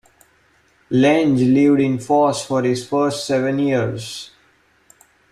Lange lived in Foss for his first seven years.